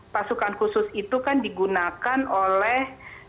pasukan khusus itu kan digunakan oleh